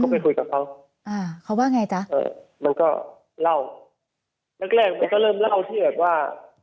ไปคุยกับเขาอ่าเขาว่าไงจ๊ะเอ่อมันก็เล่าแรกแรกมันก็เริ่มเล่าที่แบบว่า